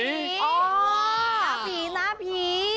หน้าผีหน้าผี